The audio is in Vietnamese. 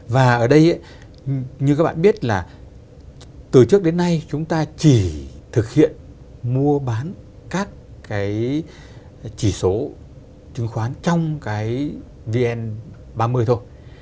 và ở đây như các bạn biết là từ trước đến nay chúng ta chỉ thực hiện mua bán các cái chỉ số chứng khoán trong cái vn ba mươi thôi